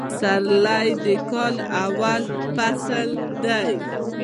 فسرلي د کال اول فصل دي